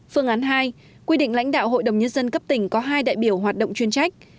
phương án hai quy định lãnh đạo hội đồng nhân dân cấp tỉnh có hai đại biểu hoạt động chuyên trách